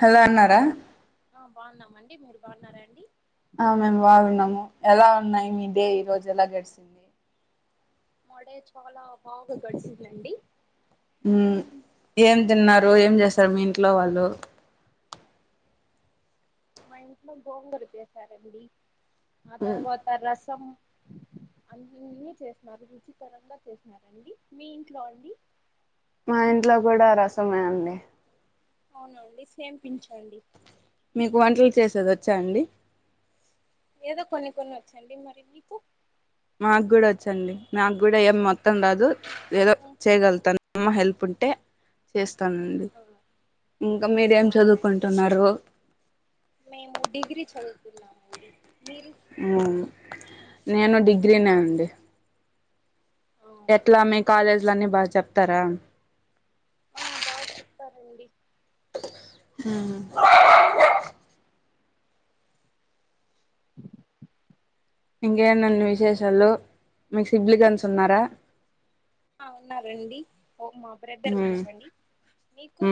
Hello అన్నారా ఆ బాగున్నామండి మీరు బాగున్నారాండి ఆ మేము బాగున్నాము ఎలా ఉన్నాయి మీ డే ఈ రోజు ఎలా గడిచింది మొడే చాలా బాగా గడిచందండి ఏం తిన్నారు ఏం చేస్తారు మీ ఇంట్లో వాళ్ళు మా ఇంట్లో గోంగూర చేశారండి ఆ తర్వాత రసం అ అన్ని చేసినారు రుచికరంగా చేసినారండి మీ ఇంట్లో అండి మా ఇంట్లో కూడా రసమే అండి అవునండి సేమ్ పించ్ అండి మీకు వంటలు చేసేది వచ్చా అండి ఏదో కొన్ని కొన్ని వచ్చండి మరి మీకు నాకు కూడా వచ్చండి నాకు కూడా ఏం మొత్తం రాదు ఏదో చేయగలుగుతాను అమ్మ హెల్ప్ ఉంటే చేస్త తానండి ఇంకా మీరు ఏం అవునా చదువుకుంటున్నారు మేము డిగ్రీ చదువుతున్నామండి మీరు హ్మ్ నేను డిగ్రీనే అండి అవునా, ఎట్లా మీ కాలేజీలో అన్నీ బాగా చెప్తారా ఆ బాగ చెప్తారండి హ్మ్ బౌ బౌ [inaudible] ఇంకేందండి విశేషాలు మీ సిబ్లీగన్స్ ఉన్నారా ఆ ఉన్నారండి ఓ మా బ్రదర్ ఎస్ ఉన్నారండి మీకు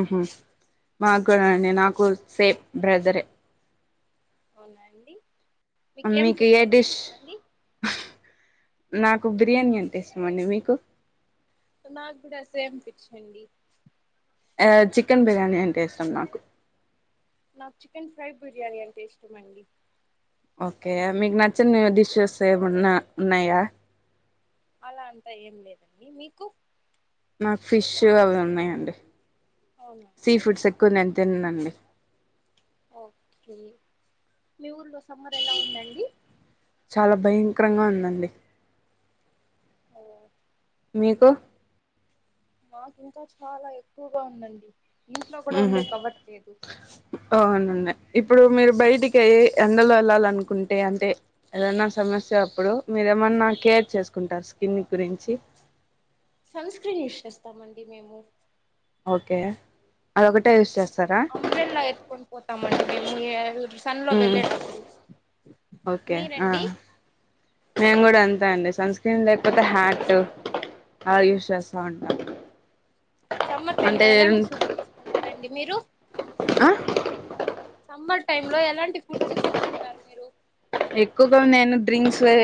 మా కూడా నాకు సేమ్ బ్రదరే మా అవునా అండి మీకేం మీకు ఫుడ్ ఏ అంటే డిష్ ఇష్టమండి నాకు బిర్యానీ అంటే ఇష్టమండి మీకు నాకు కూడా సేమ్ పిచ్ అండి ఆ చికెన్ బిర్యానీ అంటే ఇష్టం నాకు నాకు చికెన్ ఫ్రై బిర్యానీ అంటే ఇష్టం అండి ఓకే మీకు నచ్చిన డిషెస్ ఏమన్నా ఉన్నాయా అలా అంతా ఏం లేదండి మీకు నాకు ఫిష్ అవి ఉన్నాయండి అవునా సీ అండి ఫుడ్స్ ఎక్కువ నేను తిన్నండి ఓకే మీ ఊర్లో సమ్మర్ ఎలా ఉందండి చాలా భయంకరంగా ఉందండి ఓ మీకు నాకు ఇంకా చాలా ఎక్కువగా ఉందండి ఇంట్లో కూడా ఉహు ఉండేకి అవ్వట్లేదు అవునండి ఇప్పుడు మీరు బయటికి అయ్య ఎండలో వెళ్ళాలనుకుంటే అంటే ఏదైనా సమస్య అప్పుడు మీరేమన్నా కేర్ చేసుకుంటారు స్కిన్ గురించి సన్ స్క్రీన్ యూస్ చేస్తామండి మేము ఓకే అదొకటే యూస్ చేస్తా అంబ్రెల్లా ఎత్తుకొని పోతామండి మేము ఏ సన్ లో ఉమ్ వెళ్ళేటప్పుడు ఓకే ఆ మీరండి నేను కూడా అంతే నండి సన్ స్క్రీన్ లేకపోతే హ్యాట్ అలా యూస్ చేస్తాం అండీ సమ్మర్ టైమ్ లో ఎలాంటి ఫుడ్ తీసుకుంటారండి మీరు ఆ సమ్మర్ టైమ్ లో ఎలాంటి ఫుడ్స్ తీసుకుంటారు మీరు ఎక్కువగా ఉన్నా నేను డ్రింక్స్ ఏ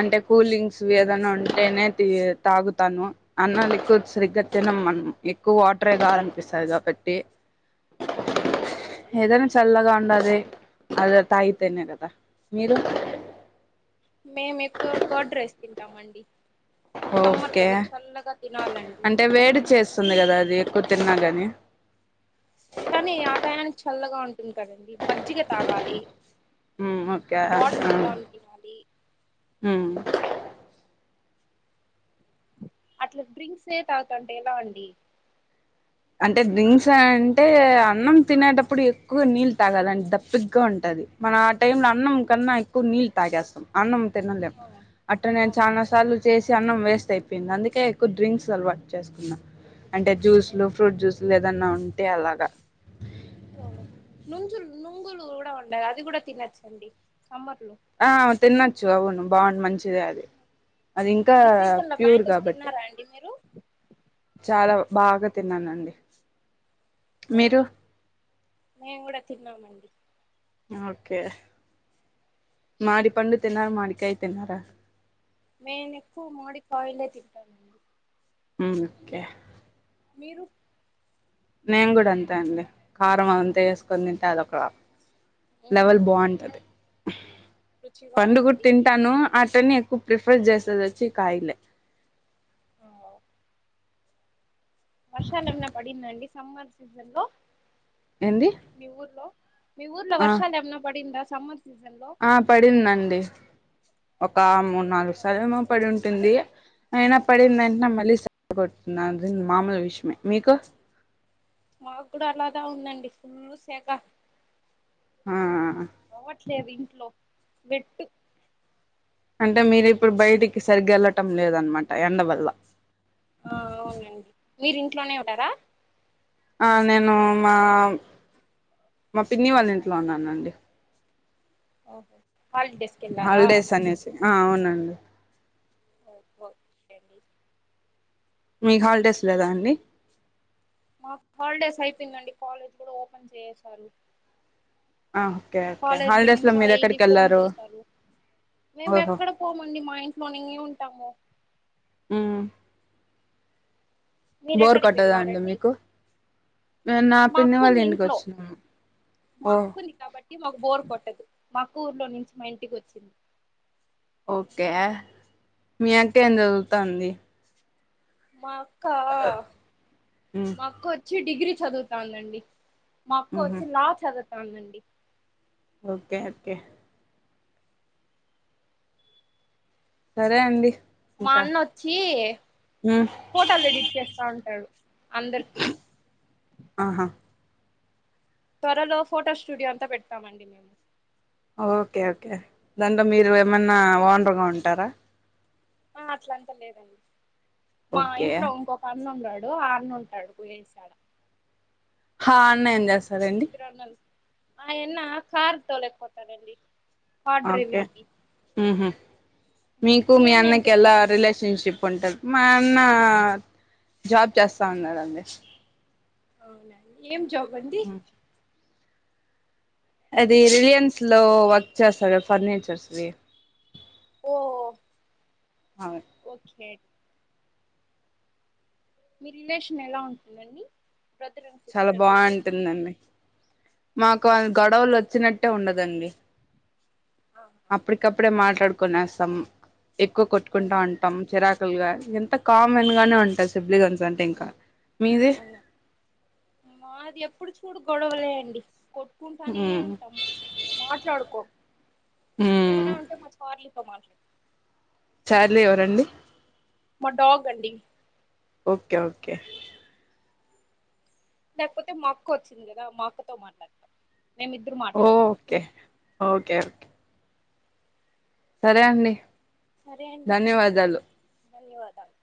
అంటే కూలింగ్స్ వి ఏదన్నా ఉంటేనే తీ తాగుతాను అన్నమ్ ఎక్కువ సరిగ్గ తిన్ను మనం ఎక్కువ వాటర్ ఏ కావాలనిపిస్తుంది కాబట్టి ఆ ఓకే అండి ఏదన్నా చల్లగా ఉండాలి అది తాగితేనే కదా మీరు మేము ఎక్కువ కర్డ్ రైస్ తింటామండి సమ్మర్ ఓకే కదా చల్లగా తినాలండి అంటే వేడి చేస్తుంది కదా అది ఎక్కువ తి తిన్న గాని కానీ ఆ టయానికి చల్లగా ఉంటుంది కదండి మజ్జిగ తాగాలి ఓకే వాటర్ మిలాన్ తినాలి అట్లా డ్రింక్స్ తాగుతంటే ఎలా అండి అంటే డ్రింక్స్ అంటే అన్నం తినేటప్పుడు ఎక్కువ నీళ్ళు తాగాలి అంటే దప్పికగా ఉంటది మన ఆ టైం లో అన్నం కన్నా ఎక్కువ నీళ్లు తాగేస్తాం అన్నం తినలేము ఆ అట నేను అవునా చాలా సార్లు చేసి అన్నం వేస్ట్ అయిపోయింది అందుకే ఎక్కువ డ్రింక్స్ అలవాటు చేసుకున్నాం అంటే జ్యూస్ ఫ్లూ ఫ్రూట్ జ్యూస్ ఎదన్నా ఉంటే అలాగా ఓ నుజులు నుంగులు కూడా ఉంటాయి అది కూడా తినొచ్చండి సమ్మర్ లో ఆ తినొచ్చు అవును బాగుంటయి మంచిదే అది అది ఇంకా ఈ సీజన్ లో ప్యూర్ మాంగోస్ కాబట్టి తిన్నారా అండి మీరు చాలా బాగా తిన్నానండి ఓ మీరు మేము కూడా తిన్నామండి ఓకే మామిడి పండ్లు తిన్నారా మామిడి కాయలు తిన్నారా మేమేక్కువ మామిడి కాయలే తిన్నాము మ్మ్ హ్ కే మీరు నేను కూడా అంతే అండి కారం అంతా వేసుకుని తింటే అది ఒక లెవల్ బాగుంటది రుచిగా పండు కూడా ఉంటది తింటాను నేను ఎక్కువ ప్రిఫర్ చేసేది వచ్చి కాయలే అఓ వర్షాలెమన్నా పడిందండి సమ్మర్ సీజన్ లో ఏంది మీ ఊర్లో మీ ఊర్లో ఆ వర్షాలు ఏమైనా పడిందా సమ్మర్ సీజన్ లో ఆ పడిందండి ఒక మూడు నాలుగు సర్లేమో పడి ఉంటుంది అయినా ఆ పడిందంటనే మళ్ళీ సల్లగా ఉంటది అది మామూలు విషయమే మీకు మాకు కూడా అలానే ఉందండి ఫుల్ సేగ ఆ లేదు ఇంట్లో బెట్టు అంటే మీరిప్పుడు బయటికి సరిగ్గా వెళ్ళటం లేదనమాట ఎండ వల్ల ఆ అవునండి మీరు ఇంట్లోనే ఉన్నారా ఆ నేను మా మా పిన్ని వాళ్ళ ఇంట్లో ఉన్నానండి ఓహో హాలిడేస్ కి వెళ్ళారా హాలిడేస్ అనేసి ఓకే అండి మీకు హాలిడేస్ లేదా అండి మాకు హాలిడేస్ అయిపోందండి కాలేజ్ కూడా ఓపెన్ చేసారు ఆ ఓకే ఓకే కాలేజీల హాలిడేస్ లో నుంచి మీరు డైలీ ఎక్కడికి ఫోన్ వెళ్లారు చేస్తారు మేము ఎక్కడ పోమండి మా ఇంట్లోనే ఉంటాము మ్మ్ మీరు బోర్ ఎక్కడికి కొట్టదా అండి వెళ్ళారండి మీకు నేను నా మా పిన్ని అక్క వాళ్ళ ఉంది ఇంటికి ఇంట్లో వచ్చినాము మా ఓ అక్క ఉంది కాబట్టి మాకు బోరు కొట్టదు మా అక్క ఊర్లో నుంచి మా ఇంటికి వచ్చింది ఓకే మీ అక్క ఏం చదువుతాంది మా అక్క మ్మ్ మా అక్క వొచ్చి డిగ్రీ చదువుతాందండి మా అక్క మ్మ్ వొచ్చి లా చదువుతందండి ఓకే ఓకే సరే అండి మా ఇంకా అన్న వొచ్చి మ్మ్ ఫోటోలు ఎడిట్ చేస్తా ఉంటాడు అందరికి ఆహా త్వరలో ఫోటో స్టూడియో పెడతామండి మేము ఓకే ఓకే దాంట్లో మీరు ఏమైన్నా ఓండర్గా ఉంటారా ఆ అట్లంతా లేదండి మా ఓకే ఇంట్లో ఇంకొక అన్న ఉన్నాడు డు ఆరును ఉంటాడు కూయసాడ హ అన్న ఏం చేస్తారంండి ఆ ఎన్న కార్ తొలేక్ పోతాడ అళ్డి ఓకే మీకు మీ అన్న ఏం అన్నకి ఎలా చేస్తారండి రిలేషన్షిప్ ఉంటది మా అన్న జాబ్ చేస్తా ఉన్నండి అవునా ఏం జాబ్ అంది ఉమ్. అది రిలయన్స్ లో వర్క్ చేస్తారు ఫర్నిచర్స్ది ఓ అవును ఓకే మీ రిలేషన్ ఎలా ఉంటుందండి బ్రదర్ అండ్ చాలా సిస్టర్ రిలేషన్ బాంటుందండి మాకు ఓ గొడవలు వచ్చినట్టే ఉండదండి అప్పటికప్పుడే మాట్ మాట్డుకునేస్తాం ఎక్కువ కొట్టుకుంటా ఉంటాంరాకు ల్ ఎంత కామన్ గానే ఉంటారు సిబ్లిగన్స్ అంటే ఇంకా మీది అవునా మాది ఎప్పుడు చూడు గొడవలేయండి కొ చసుకుంటానే ఉమ్ ఉంటాం మాట్లాడుకో ఉమ్ ఏమనా ఉంటే మా కార్లతో మాట్లాడ చార్ ఎవరండి మడోగ గడి ఓకే ఓకే లేకపోతే మా అక్క వచ్చింది కదా మా అక్కతో మాట్లాడతం ఓకే ఓకే ఓకే సరే అండి సరే అండి ధన్యవాదాలు ధన్యవాదాలు